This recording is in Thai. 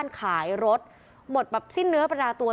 คุณประสิทธิ์ทราบรึเปล่าคะว่า